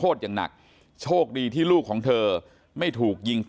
แล้วหลังจากนั้นเราขับหนีเอามามันก็ไล่ตามมาอยู่ตรงนั้น